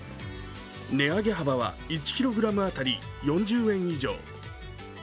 値上げ幅は１ｋｇ当たり４０円以上。